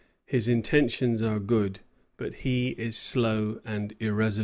His intentions are good, but he is slow and irresolute."